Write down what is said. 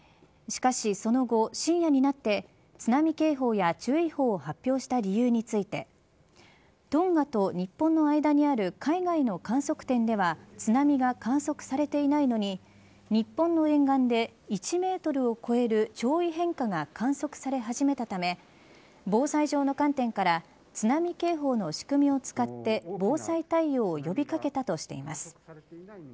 しかしその後、深夜になって津波警報や注意報を発表した理由についてトンガと日本の間にある海外の観測点では津波が観測されていないのに日本の沿岸で１メートルを超える潮位変化が観測され始めたため防災上の観点から津波警報の仕組みを使って防災対応を呼び掛けたとしています。